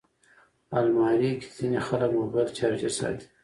الماري کې ځینې خلک موبایل چارجر ساتي